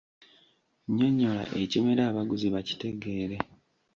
Nyonnyola ekimera abaguzi bakitegeere..